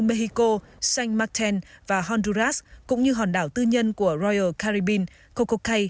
mexico san martín và honduras cũng như hòn đảo tư nhân của royal caribbean coco cay